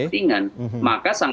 kepentingan maka sangat